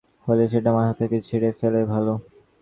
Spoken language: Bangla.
পরের বলটার দিকে মনোযোগ দিতে হলে সেটা মাথা থেকে ঝেড়ে ফেলাই ভালো।